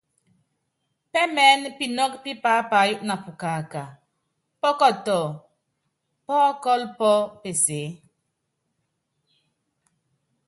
Pɛ́mɛɛ́nɛ pinɔ́kɔ́ pí paápayɔ́ na pukaaka, pɔkɔtɔ, pɔ́kɔ́lɔ pɔ́ peseé.